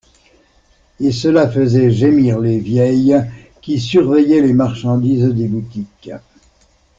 Et cela faisait gémir les vieilles qui surveillaient les marchandises des boutiques.